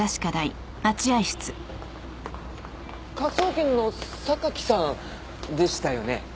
科捜研の榊さんでしたよね？